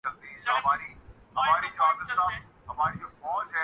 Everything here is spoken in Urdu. تو میرے ارد گرد ایسے مناظر کیوں دکھائی نہیں دیتے؟